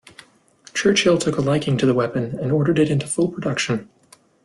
Churchill took a liking to the weapon and ordered it into full production.